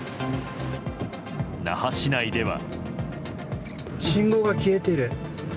那覇市内では。